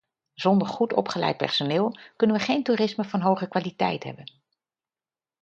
Zonder goed opgeleid personeel kunnen we geen toerisme van hoge kwaliteit hebben.